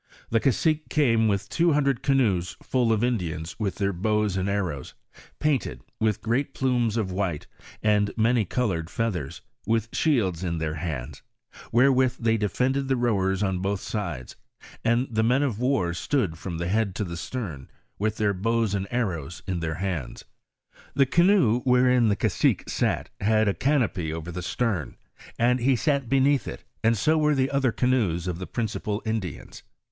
"The cacique came with two hundred canoes full of Indians with their bows and arrows, painted, with great plumes of white and many colored feathers, with shields in their hands, wherewith they de fended the rowers on both sides, and the men of war stood from the head to the stem, with their bows and arrows in their hands. The canoe wherein the cacique sat, had a can opy over the stern, and he sat beneath it, and so were the other canoes of the principal Indians.